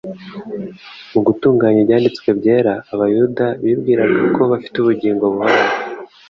Mu gutunga Ibyanditswe byera, abayuda bibwiraga ko bafite ubugingo buhoraho